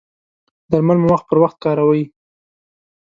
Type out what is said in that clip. درمل مو وخت پر وخت کاروئ؟